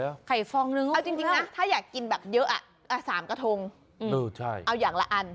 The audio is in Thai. ไข่ฟองนึงเอาจริงนะถ้าอยากกินแบบเยอะ๓กระทงเอาอย่างละอัน